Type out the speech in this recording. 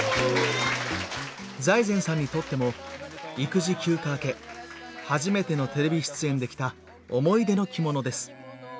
財前さんにとっても育児休暇明け初めてのテレビ出演で着た思い出の着物です。